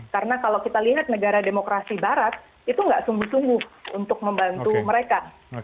karena kalau kita lihat negara demokrasi barat itu nggak sungguh sungguh untuk membantu mereka